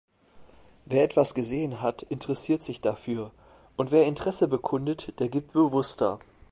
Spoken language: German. Wer etwas gesehen hat, interessiert sich dafür, und wer Interesse bekundet, der gibt bewusster.